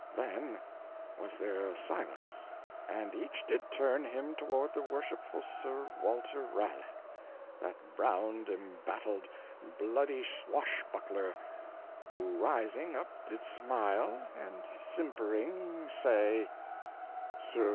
[Then was there a silence, and each did turn him toward the worshipful Sr Walter Ralegh, that browned, embattled, bloody swashbuckler, who rising up did smile, and simpering say,] Sr W.